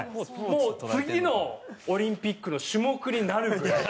もう次のオリンピックの種目になるぐらい。